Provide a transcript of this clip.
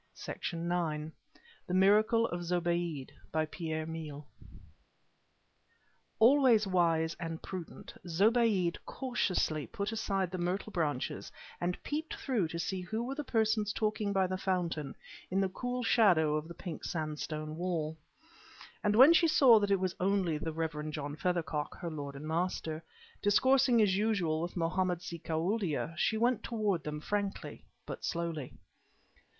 PIERRE MILLE The Miracle of Zobéide Always wise and prudent, Zobéide cautiously put aside the myrtle branches and peeped through to see who were the persons talking by the fountain in the cool shadow of the pink sandstone wall. And when she saw that it was only the Rev. John Feathercock, her lord and master, discoursing as usual with Mohammed si Koualdia, she went toward them frankly but slowly.